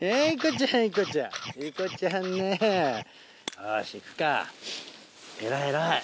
よし行くか偉い偉い。